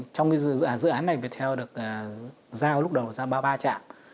trong dự án này viettel được giao lúc đầu giao ba trạm